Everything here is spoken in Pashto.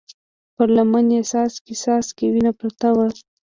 پر لمن يې څاڅکي څاڅکې وينه پرته وه.